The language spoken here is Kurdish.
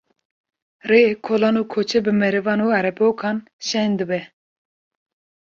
Rê, kolan û kuçe bi merivan û erebokan şên dibe.